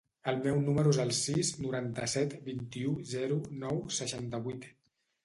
El meu número es el sis, noranta-set, vint-i-u, zero, nou, seixanta-vuit.